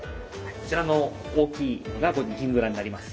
こちらの大きいのがギンブナになります。